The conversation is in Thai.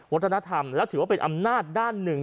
วัฒนธรรมแล้วถือว่าเป็นอำนาจด้านหนึ่ง